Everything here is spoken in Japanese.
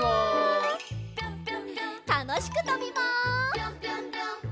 たのしくとびます。